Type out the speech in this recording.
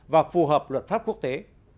và phù hợp luật pháp quốc tế